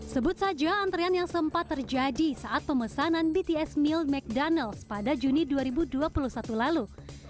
sebut saja antrean yang sempat terjadi saat pemesanan bts meal ⁇ cdonalds pada juni dua ribu dua puluh satu lalu